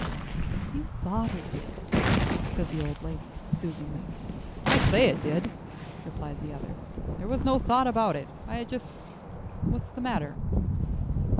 "You thought it did," said the old lady soothingly. "I say it did," replied the other. "There was no thought about it; I had just What's the matter?"